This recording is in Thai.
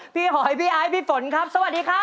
หอยพี่ไอ้พี่ฝนครับสวัสดีครับ